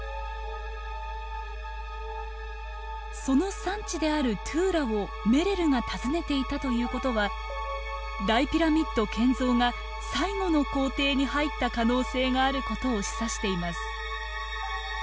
その産地であるトゥーラをメレルが訪ねていたということは大ピラミッド建造が最後の工程に入った可能性があることを示唆しています。